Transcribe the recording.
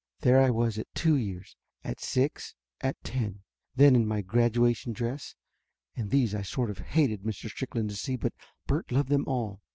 There I was at two years, at six, at ten. Then in my graduation dress. And these I sort of hated Mr. Strickland to see, but Bert loved them all.